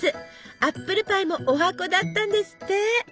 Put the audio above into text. アップルパイもおはこだったんですって！